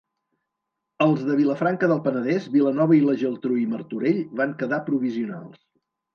Els de Vilafranca del Penedès, Vilanova i la Geltrú i Martorell van quedar provisionals.